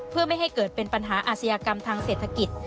เพื่อไม่ให้เกิดเป็นปัญหาอาชญากรรมทางเศรษฐกิจ